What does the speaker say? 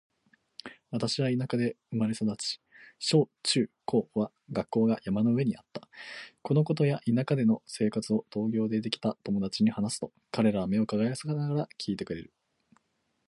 私は田舎で生まれ育ち、小・中・高は学校が山の上にあった。このことや田舎での生活を東京でできた友達に話すと、彼らは目を輝かせながら聞いてくれる。